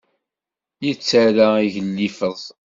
Yettara igellifeẓ.